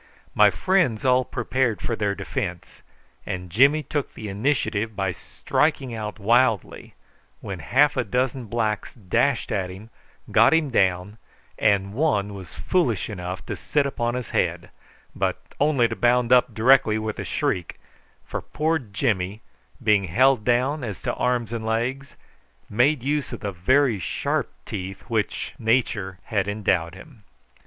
My friends all prepared for their defence, and Jimmy took the initiative by striking out wildly, when half a dozen blacks dashed at him, got him down, and one was foolish enough to sit upon his head, but only to bound up directly with a shriek, for poor Jimmy, being held down as to arms and legs, made use of the very sharp teeth with which nature had endowed him.